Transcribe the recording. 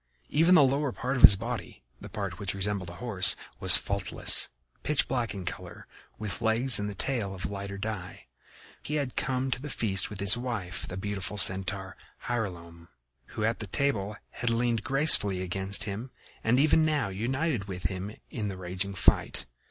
Even the lower part of his body, the part which resembled a horse, was faultless, pitch black in color, with legs and tail of lighter dye. He had come to the feast with his wife, the beautiful Centaur, Hylonome, who at the table had leaned gracefully against him and even now united with him in the raging fight.